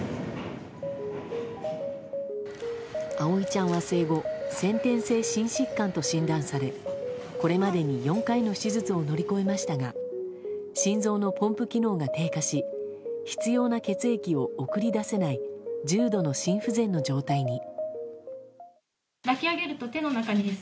葵ちゃんは生後先天性心疾患と診断されこれまでに４回の手術を乗り越えましたが心臓のポンプ機能が低下し必要な血液を送り出せない重度の心不全の状態に。